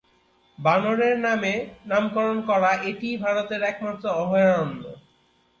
বানরের নামে নামকরণ করা এটিই ভারতের একমাত্র অভয়ারণ্য।